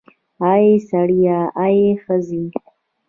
اې سړیه, آ ښځې